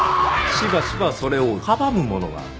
しばしばそれを阻むものがある。